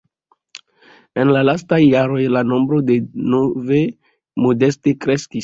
En la lastaj jaroj la nombro de nove modeste kreskis.